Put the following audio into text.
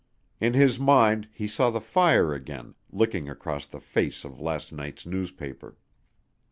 In his mind, he saw the fire again, licking across the face of last night's newspaper.